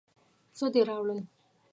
څه دې راوړل؟